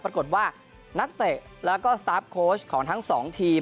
ปรากฏว่านักเตะแล้วก็สตาร์ฟโค้ชของทั้งสองทีม